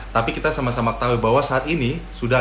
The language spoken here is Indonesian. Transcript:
tapi kita sama sama ketahui bahwa saat ini sudah